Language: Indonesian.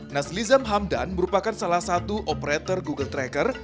naslizam hamdan merupakan salah satu operator google tracker